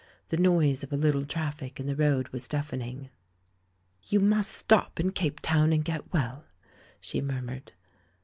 The noise of a little traffic in the road was deafening. "You must stop in Cape Town and get well," she murmured.